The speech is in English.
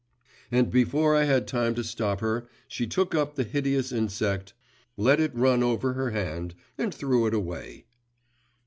And before I had time to stop her, she took up the hideous insect, let it run over her hand, and threw it away.